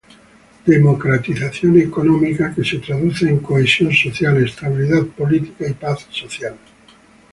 Democratización económica, que se traduce en cohesión social, estabilidad política y paz social.